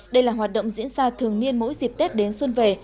đây là hoạt động diễn ra thường niên mỗi dịp tết đến xuân về